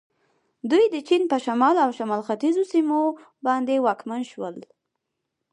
دوی د چین په شمال او شمال ختیځو سیمو باندې واکمن شول.